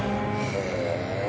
へえ。